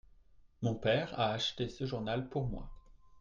Mon père a acheté ce journal pour moi.